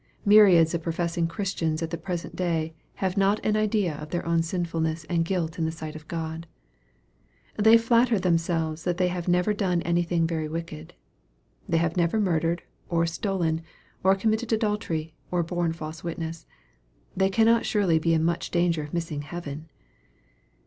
Myriads of professing Christians at the present day have not an idea of their own sinfulness and guilt in the sight of God. They flatter themselves that they have never done anything very wicked. " They have never murdered, or stolen, or committed adultery, or borne false witness. They cannot surely be in much danger of missing heaven."